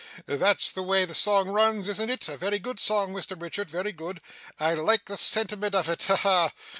That's the way the song runs, isn't it? A very good song, Mr Richard, very good. I like the sentiment of it. Ha ha!